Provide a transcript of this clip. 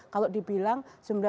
kalau dibilang sembilan puluh sembilan